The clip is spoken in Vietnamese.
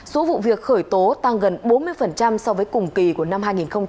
số vụ việc khởi tố tăng gần bốn mươi so với cùng kỳ của năm hai nghìn một mươi chín